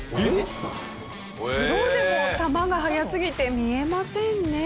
スローでも球が速すぎて見えませんね。